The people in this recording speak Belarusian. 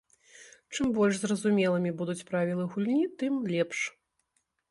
Чым больш зразумелымі будуць правілы гульні, тым лепш.